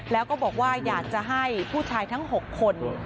แล้วก็บอกว่าอยากจะให้ผู้ชายทั้ง๖คน